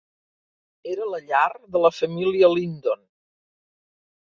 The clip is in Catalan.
Era la llar de la família Lyndon.